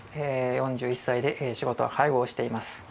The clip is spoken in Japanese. ４１歳で仕事は介護をしています。